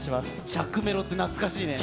着メロって懐かしいね。